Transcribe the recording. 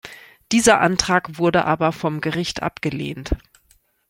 Dieser Antrag wurde aber vom Gericht abgelehnt.